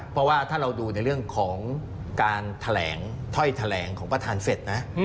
เพราะว่าถ้าเราดูในเรื่องของการแถลงถ้อยแถลงของประธานเสร็จนะ